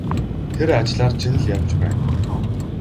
Тэр ажлаар чинь л явж байна.